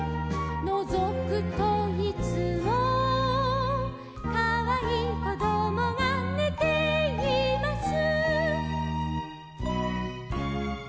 「のぞくといつも」「かわいいこどもがねています」